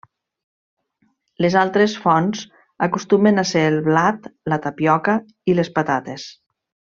Les altres fonts acostumen a ser el blat, la tapioca, i les patates.